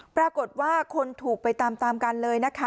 ปรากฏว่าคนถูกไปตามตามกันเลยนะคะ